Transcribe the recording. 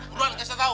turun kasih tau